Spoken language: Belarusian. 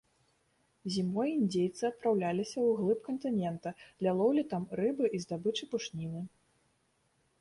Зімой індзейцы адпраўляліся ўглыб кантынента для лоўлі там рыбы і здабычы пушніны.